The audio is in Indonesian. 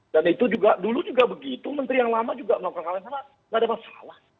dan itu juga dulu juga begitu menteri yang lama juga melakukan hal yang sama enggak ada masalah